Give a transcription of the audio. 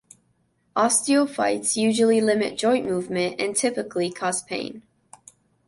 Osteophytes usually limit joint movement and typically cause pain.